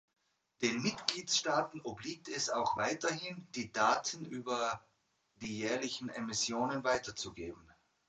Den Mitgliedstaaten obliegt es auch weiterhin, die Daten über die jährlichen Emissionen weiterzugeben.